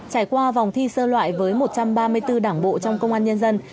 trải qua vòng thi sơ loại với một trăm ba mươi bốn đảng bộ trong công an nhân dân